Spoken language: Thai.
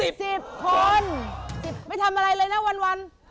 ๑๐คนไม่ทำอะไรเลยนะวันวัน